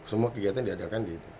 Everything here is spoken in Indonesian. semua kegiatan diadakan di